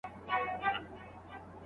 حق بايد چا ته وبخښل سي.